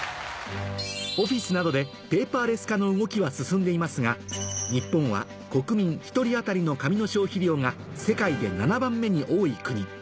オフィスなどでペーパーレス化の動きは進んでいますが日本は国民一人当たりの紙の消費量が世界で７番目に多い国。